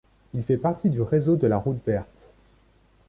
Il fait partie du réseau de la route verte.